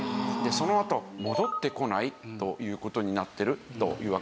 そのあと戻ってこないという事になってるというわけなんです。